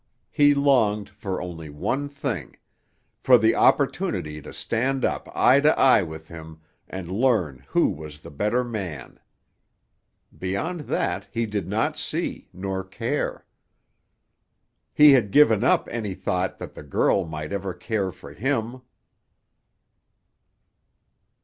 He longed for only one thing—for the opportunity to stand up eye to eye with him and learn who was the better man. Beyond that he did not see, nor care. He had given up any thought that the girl might ever care for him.